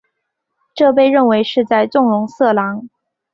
这被认为是在纵容色狼。